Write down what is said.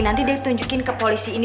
nanti dia tunjukin ke polisi ini